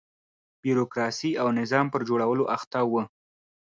بیروکراسۍ او نظام پر جوړولو اخته و.